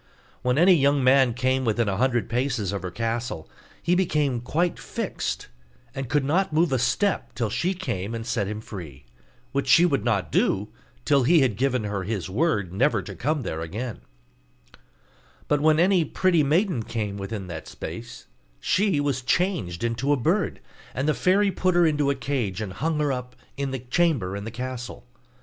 When any young man came within a hundred paces of her castle, he became quite fixed, and could not move a step till she came and set him free; which she would not do till he had given her his word never to come there again: but when any pretty maiden came within that space she was changed into a bird, and the fairy put her into a cage, and hung her up in a chamber in the castle.